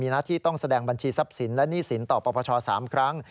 หน้าที่ต้องแสดงบัญชีทรัพย์สินและหนี้สินต่อปปช๓ครั้ง